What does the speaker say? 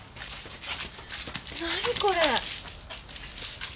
何これ？